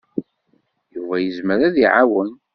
Yuba yezmer ad iɛawen.